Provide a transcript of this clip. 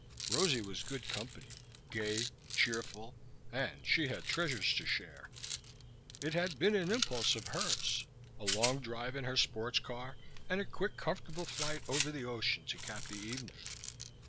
Rosie was good company gay, cheerful and she had treasures to share. It had been an impulse of hers, a long drive in her sports car and a quick, comfortable flight over the ocean to cap the evening.